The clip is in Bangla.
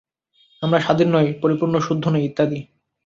আমরা স্বাধীন নই, সম্পূর্ণ শুদ্ধ নই, ইত্যাদি।